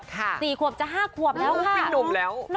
๔ขวบจะ๕ขวบแล้วค่ะ